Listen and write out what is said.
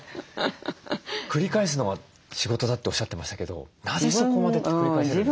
繰り返すのが仕事だっておっしゃってましたけどなぜそこまで繰り返せるんですか？